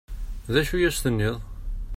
D acu i as-tenniḍ?